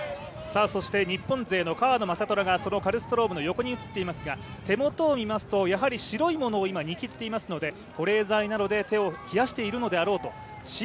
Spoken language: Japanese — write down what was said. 日本勢の川野将虎がそのカルストロームの横に映っていますが、手元を見ますと、やはり白いものを握っていますので保冷剤などで手を冷やしているのだろうと。